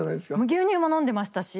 牛乳も飲んでましたし。